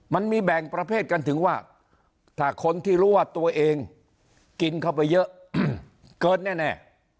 มันมีแบ่งประเภทกันถึงว่าถ้าคนที่รู้ว่าตัวเองกินเข้าไปเยอะเกินแน่